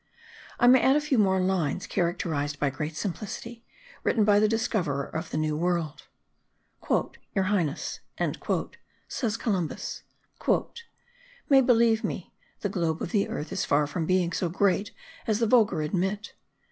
I may add a few more lines, characterized by great simplicity, written by the discoverer of the New World: "Your Highness," says Columbus, "may believe me, the globe of the earth is far from being so great as the vulgar admit.